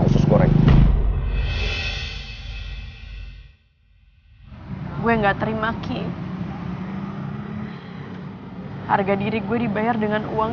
terus lo kasih dia ampun